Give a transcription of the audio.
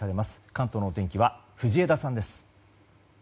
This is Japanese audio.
関東のお天気は藤枝さんです。